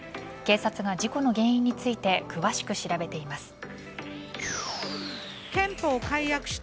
警察が事故の原因について詳しく調べています。